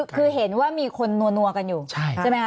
คือเห็นว่ามีคนนัวกันอยู่ใช่ไหมคะ